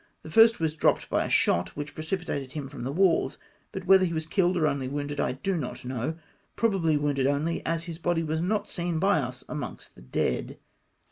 The first was di'opped by a shot, which precipitated him from the walls, but whether he was killed or only wounded, I do not know, probably wounded only, as his body was not seen by us amongst the dead.